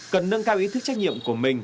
cần nâng cao ý thức trách nhiệm của mình